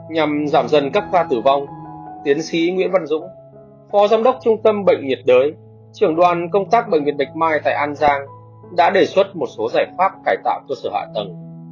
nhằm giảm dần các ca tử vong tiến sĩ nguyễn văn dũng phó giám đốc trung tâm bệnh nhiệt đới trưởng đoàn công tác bệnh viện bạch mai tại an giang đã đề xuất một số giải pháp cải tạo cơ sở hạ tầng